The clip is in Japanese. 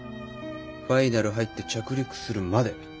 ファイナル入って着陸するまで。